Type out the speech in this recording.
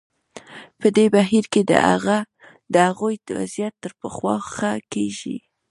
په دې بهیر کې د هغوی وضعیت تر پخوا ښه کېږي.